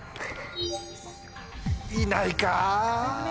いないか。